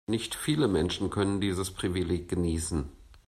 Nicht viele Menschen können dieses Privileg genießen.